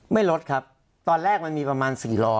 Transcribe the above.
ไม่ลดครับตอนแรกมันมีประมาณ๔ล้อ